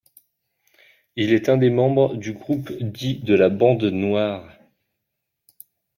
Il un des membres du groupe dit de la Bande noire.